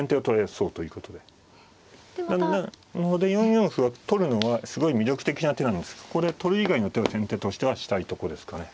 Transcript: ４四歩を取るのはすごい魅力的な手なんですがここで取る以外の手を先手としてはしたいとこですかね。